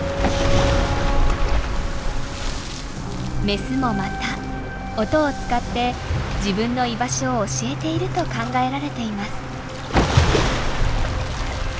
メスもまた音を使って自分の居場所を教えていると考えられています。